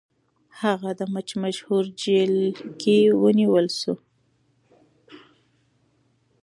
هغه د مچ مشهور جیل کې ونیول شو.